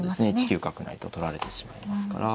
１九角成と取られてしまいますから。